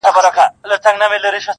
• یو تر بله یې په ساندوکي سیالي وه -